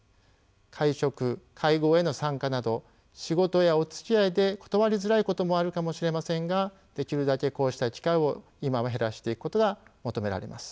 会食会合への参加など仕事やおつきあいで断りづらいこともあるかもしれませんができるだけこうした機会を今は減らしていくことが求められます。